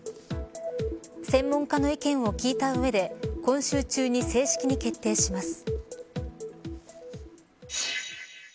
専門家の意見を聞いた上で今週中に正式に決定します。